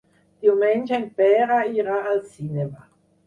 Diumenge en Pere irà al cinema.